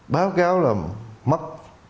báo cáo là mất